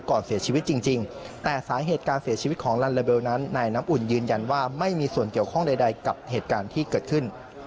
เพราะฉะนั้นนายน้ำอุ่นยืนยันว่าไม่มีส่วนเกี่ยวข้องใดกับเหตุการณ์ที่เกิดขึ้น